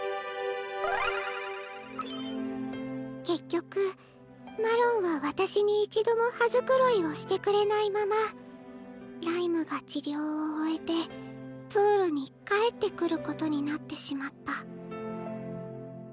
結局マロンは私に一度も羽繕いをしてくれないままライムが治療を終えてプールに帰ってくることになってしまった。